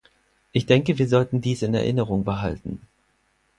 Ich denke, wir sollten dies in Erinnerung behalten.